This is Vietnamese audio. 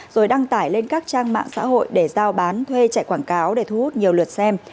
rồi đăng tải lên các trang mạng xã hội để giao bán thuê chạy quảng cáo để thu hút nhiều lượt xem